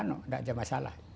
nggak ada masalah